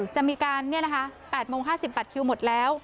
จะมีการ๘โมง๕๐บัตรคิวหมดแล้ว